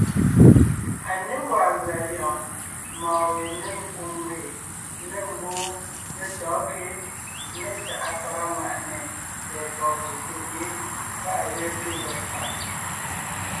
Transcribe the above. À ně gwàa gʉa lyɛ̌ʼɔɔn mɔ̌ɔn we nêŋ nkwòŋ ŋweʼe, nê mbwóon, nê tɔ̌ɔnkě né tàʼa pàga ŋwàʼne tsɛ̀ɛ pɔ̀ɔn sekúd yé páʼ à ge tó lɔg faʼ.